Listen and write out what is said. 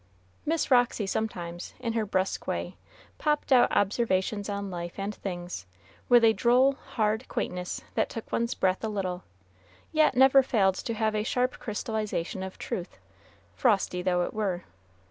Miss Roxy sometimes, in her brusque way, popped out observations on life and things, with a droll, hard quaintness that took one's breath a little, yet never failed to have a sharp crystallization of truth, frosty though it were.